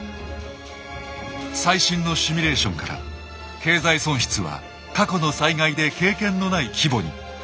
最新のシミュレーションから経済損失は過去の災害で経験のない規模に。